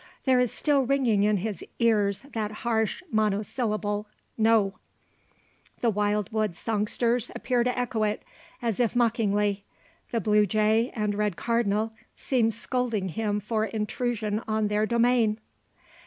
There is still ringing in his ears that harsh monosyllable, "no." The wild wood songsters appear to echo it, as if mockingly; the blue jay, and red cardinal, seem scolding him for intrusion on their domain!